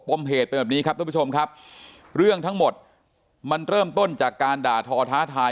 มเหตุเป็นแบบนี้ครับทุกผู้ชมครับเรื่องทั้งหมดมันเริ่มต้นจากการด่าทอท้าทาย